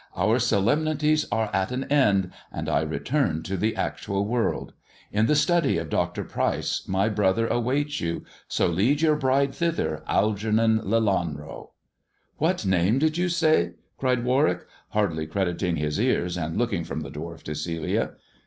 " Our solemnities are at an end, and I return to the actual world. In the study of Dr. Pryce my brother awaits you, so lead your bride thither, Algernon Lelanro." " What name did you say 1 " cried Warwick, hardly crediting his ears, and looking from the dwarf to Celia.